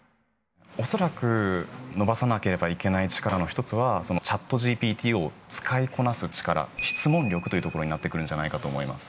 恐らく、伸ばさなければいけない力の１つは、そのチャットＧＰＴを使いこなす力、質問力というところになってくるんじゃないかと思います。